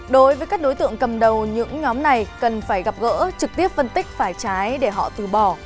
đối với các đối tượng cầm đầu những nhóm này cần phải gặp gỡ trực tiếp phân tích phải trái để họ từ bỏ